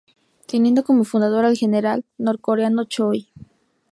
Teniendo como fundador al General nor-coreano Choi.